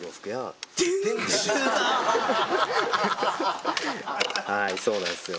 「電柱」だはいそうなんですよ・